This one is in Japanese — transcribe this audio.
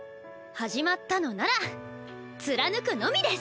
始まったのなら貫くのみです！